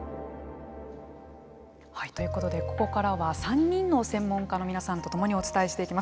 ということでここからは３人の専門家の皆さんとともにお伝えしていきます。